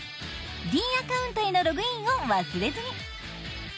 ｄアカウントへのログインを忘れずに。